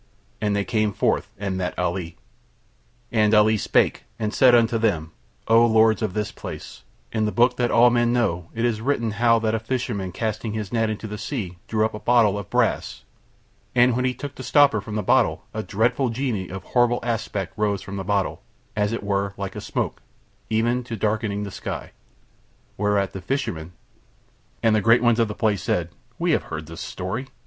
And they came forth and met Ali. And Ali spake and said unto them: "O lords of this place; in the book that all men know it is written how that a fisherman casting his net into the sea drew up a bottle of brass, and when he took the stopper from the bottle a dreadful genie of horrible aspect rose from the bottle, as it were like a smoke, even to darkening the sky, whereat the fisherman..." And the great ones of that place said: "We have heard the story."